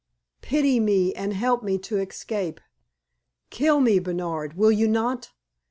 pity me and help me to escape. Kill me, Bernard, will you not?